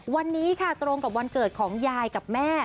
วันนี้ค่ะตรงกับวันเกิดของยายกับแม่